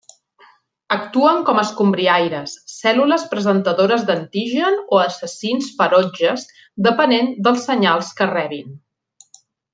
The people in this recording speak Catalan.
Actuen com a escombriaires, cèl·lules presentadores d'antigen o assassins ferotges, depenent dels senyals que rebin.